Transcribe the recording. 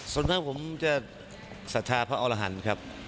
ส่วนมากผมจะศรัทธาพระอรหันต์ครับ